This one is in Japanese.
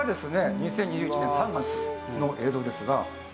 ２０２１年３月の映像ですが。